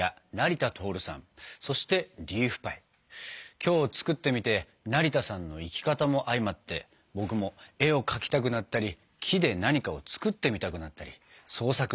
今日作ってみて成田さんの生き方も相まって僕も絵を描きたくなったり木で何かを作ってみたくなったり創作意欲が湧きました。